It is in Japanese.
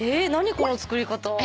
この作り方⁉